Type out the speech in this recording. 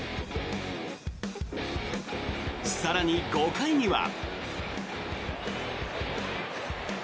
更に、５回には。